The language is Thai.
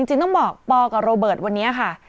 จริงต้องบอกปอกับโรเบิร์ตวันนี้ค่ะ